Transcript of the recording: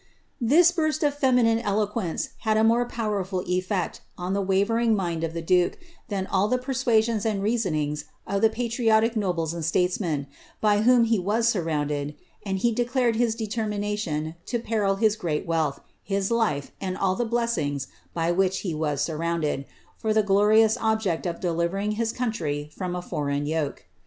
"' liis burst of feminine eloquence had a more powerful effect, on the ^ering mind of the duke, than all the persuasions and reasoning of patriotic nobles and statesmen, by whom he was surrounded, and he lared his determination to peril his great wealth, his life, and all the (sings by which he was surrounded, for the glorious object of deliver his country from a foreign yoke.